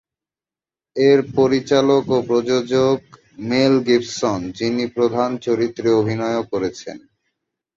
এর পরিচালক ও প্রযোজক মেল গিবসন, যিনি প্রধান চরিত্রে অভিনয়ও করেছেন।